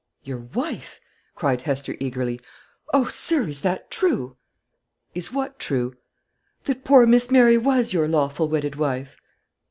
"Your wife!" cried Hester eagerly. "O sir, is that true?" "Is what true?" "That poor Miss Mary was your lawful wedded wife?"